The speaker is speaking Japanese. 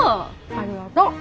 ありがとう。